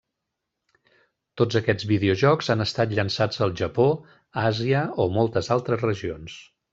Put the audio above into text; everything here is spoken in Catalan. Tots aquests videojocs han estat llançats al Japó, Àsia, o moltes altres regions.